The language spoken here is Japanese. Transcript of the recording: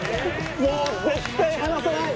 もう絶対離さない！